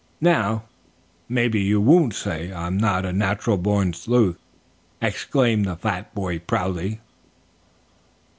Now maybe you won't say I'm not a natural born sleuth," exclaimed the fat boy proudly.